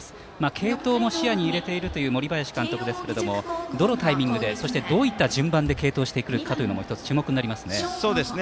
継投も視野に入れているという森林監督ですけれどもどのタイミングでどういった順番で継投してくるかというのも１つ注目になりますね。